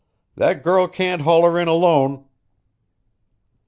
"That girl can't haul her in alone."